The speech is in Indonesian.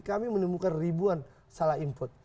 kami menemukan ribuan salah input